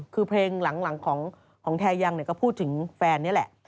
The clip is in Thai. คือเพลงหลังของแทยังก็พูดถึงแฟนนี่แหละ